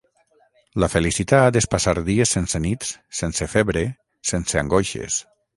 La felicitat és passar dies sense nits, sense febre, sense angoixes